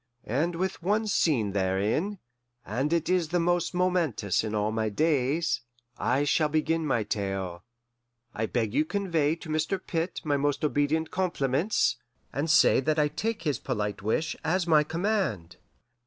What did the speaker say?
And with one scene therein, and it the most momentous in all my days, I shall begin my tale. I beg you convey to Mr. Pitt my most obedient compliments, and say that I take his polite wish as my command.